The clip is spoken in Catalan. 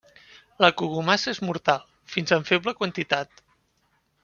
La cogomassa és mortal, fins en feble quantitat.